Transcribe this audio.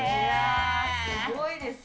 すごいですね。